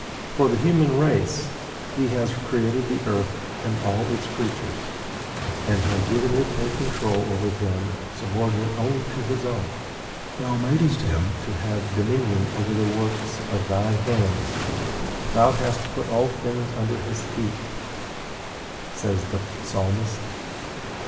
For the human race he has created the earth and all its creatures, and has given it a control over them subordinate only to his own. 'Thou madest him to have dominion over the works of thy hands; thou hast put all things under his feet,' says the Psalmist.